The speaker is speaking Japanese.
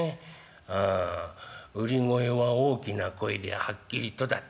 ああ売り声は大きな声ではっきりとだっけな。